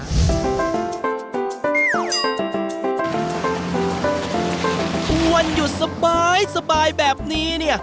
วันหยุดสบายแบบนี้เนี่ย